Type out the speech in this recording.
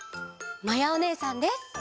まやおねえさんです。